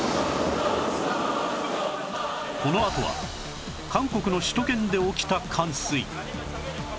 このあとは韓国の首都圏で起きた冠水